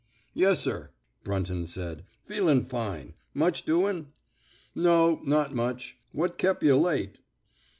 Yes'r,'' Bmnton said. Feelin* fine. Much doin'? '*'' No. Not much. "What kep' yuh late?